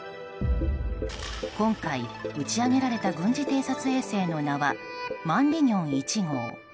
今回打ち上げられた軍事偵察衛星の名は「マンリギョン１号」。